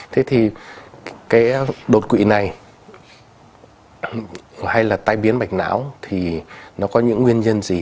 thế thì cái đột quỵ này hay là tai biến mạch não thì nó có những nguyên nhân gì